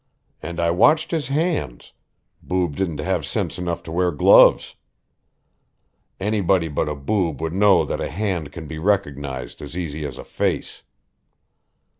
And I watched his hands boob didn't have sense enough to wear gloves. Anybody but a boob would know that a hand can be recognized as easy as a face."